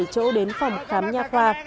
bảy chỗ đến phòng khám nha khoa